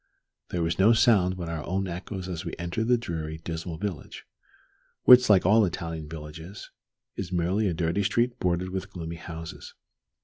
There was no sound but our own echoes as we entered the dreary, dismal village, which, like all Italian villages, is merely a dirty street bordered with gloomy houses.